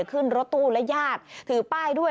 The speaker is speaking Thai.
ขึ้นรถตู้และญาติถือป้ายด้วย